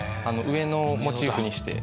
上野をモチーフにして。